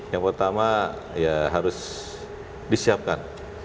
yang pertama ya harus disiapkan